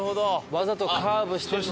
わざとカーブしてるのか。